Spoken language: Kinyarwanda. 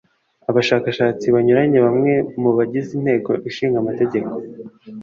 abashakashatsi banyuranye bamwe mu bagize inteko ishinga amategeko